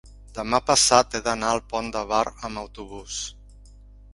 demà passat he d'anar al Pont de Bar amb autobús.